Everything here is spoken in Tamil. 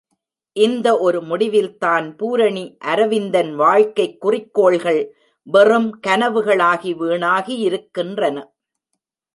இந்த ஒரு முடிவில்தான் பூரணி அரவிந்தன் வாழ்க்கைக் குறிக்கோள்கள் வெறும் கனவுகள் ஆகி விணாகியிருக்கின்றன.